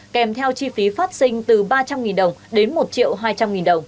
kèm theo chi phí phát sinh từ ba trăm linh đồng đến một triệu hai trăm linh đồng